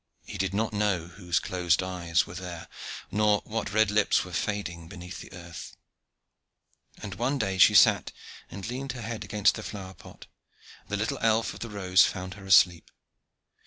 He did not know whose closed eyes were there, nor what red lips were fading beneath the earth. And one day she sat and leaned her head against the flower pot, and the little elf of the rose found her asleep.